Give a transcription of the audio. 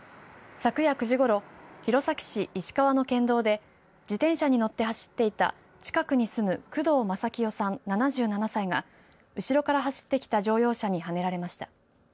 昨夜９時ごろ弘前市石川の県道で自転車に乗って走っていた近くに住む工藤正清さん、７７歳が後ろから走ってきた乗用車にはねられました。